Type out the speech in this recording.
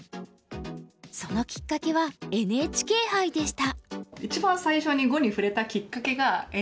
そのきっかけはＮＨＫ杯でした。